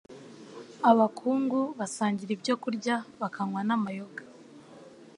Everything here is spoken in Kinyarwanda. abakungu basangira ibyo kurya bakanywa n'amayoga.